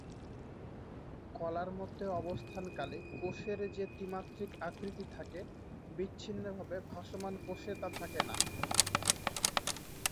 কলার মধ্যে অবস্থান কালে কোষের জে ত্রিমাত্রিক আকৃতি থাকে, বিচ্ছিন্ন ভাবে ভাসমান কোষে তা থাকে না।